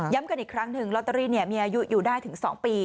กันอีกครั้งหนึ่งลอตเตอรี่มีอายุอยู่ได้ถึง๒ปี